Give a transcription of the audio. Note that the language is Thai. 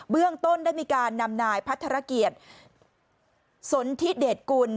เรื่องต้นได้มีการนำนายพัทรเกียรติสนทิเดชกุล